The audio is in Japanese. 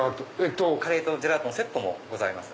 カレーとジェラートのセットもございます。